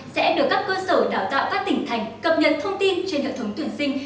sẽ được các cơ sở đào tạo các tỉnh thành cập nhật thông tin trên hệ thống tuyển sinh